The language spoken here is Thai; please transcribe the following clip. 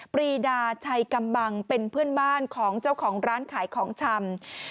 ปรีดาชัยกำบังเป็นเพื่อนบ้านของเจ้าของร้านขายของชำ